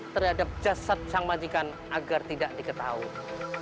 terhadap jasad sang majikan agar tidak diketahui